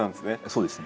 そうです。